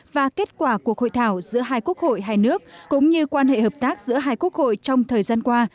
và kết quả cuộc hội thảo giữa hai quốc hội hai nước cũng như quan hệ hợp tác giữa hai quốc hội trong thời gian qua